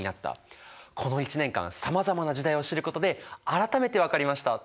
この一年間さまざまな時代を知ることで改めて分かりました。